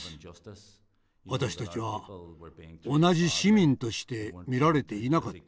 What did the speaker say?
私たちは同じ市民として見られていなかった。